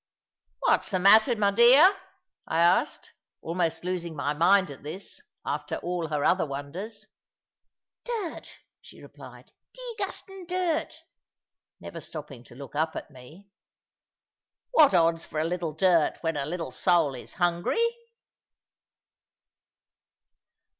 "What's the matter, my dear?" I asked, almost losing my mind at this, after all her other wonders. "Dirt," she replied; "degustin' dirt!" never stopping to look up at me. "What odds for a little dirt, when a little soul is hungry?"